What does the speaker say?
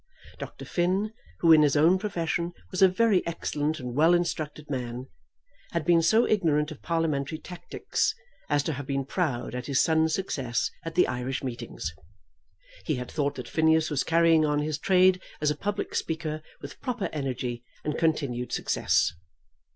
Dr. Finn, who in his own profession was a very excellent and well instructed man, had been so ignorant of Parliamentary tactics, as to have been proud at his son's success at the Irish meetings. He had thought that Phineas was carrying on his trade as a public speaker with proper energy and continued success.